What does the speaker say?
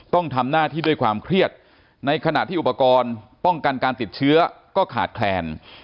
ต้องทำหน้าที่ด้วยความเครียดในขณะที่อุปกรณ์ป้องกันการติดเชื้อก็ขาดแคลน